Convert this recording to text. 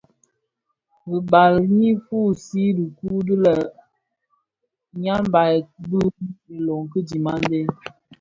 Ribal Nyi fusii dhikuu di lenyambaï bi ilöň ki dhimandé.